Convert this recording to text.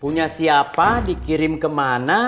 punya siapa dikirim kemana